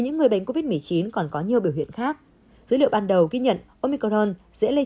những người bệnh covid một mươi chín còn có nhiều biểu hiện khác dữ liệu ban đầu ghi nhận omicron sẽ lây